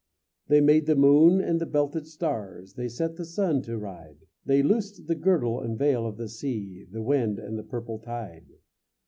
They made the moon and the belted stars, They set the sun to ride; They loosed the girdle and veil of the sea, The wind and the purple tide.